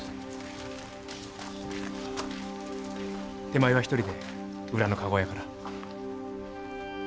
手前は一人で裏の駕籠屋から。